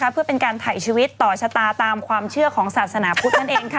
เพื่อเป็นการถ่ายชีวิตต่อชะตาตามความเชื่อของศาสนาพุทธนั่นเอง